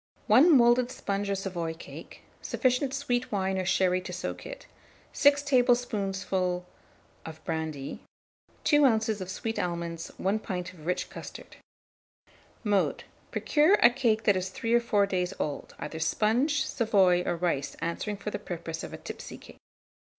1 moulded sponge or Savoy cake, sufficient sweet wine or sherry to soak it, 6 tablespoonfuls of brandy, 2 oz. of sweet almonds, 1 pint of rich custard. [Illustration: TIPSY CAKE.] Mode. Procure a cake that is three or four days old, either sponge, Savoy, or rice answering for the purpose of a tipsy cake.